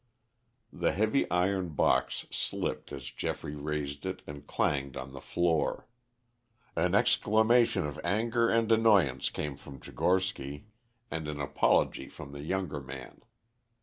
The heavy iron box slipped as Geoffrey raised it and clanged on the floor. An exclamation of anger and annoyance came from Tchigorsky and an apology from the younger man.